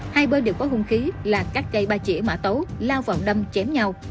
hai bên đều có hung khí là cắt cây ba chỉa mã tấu lao vào đâm chém nhau